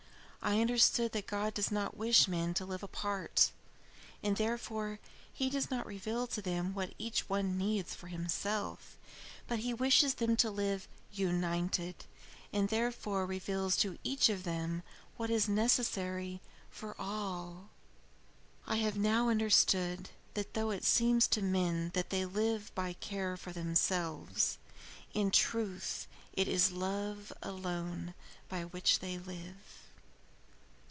"I understood that God does not wish men to live apart, and therefore he does not reveal to them what each one needs for himself; but he wishes them to live united, and therefore reveals to each of them what is necessary for all. "I have now understood that though it seems to men that they live by care for themselves, in truth it is love alone by which they live.